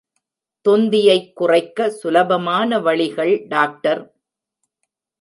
தொந்தியைக் குறைக்க சுலபமான வழிகள் டாக்டர்.